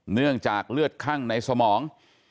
เนื่องจากเลือดคั่งในสมอง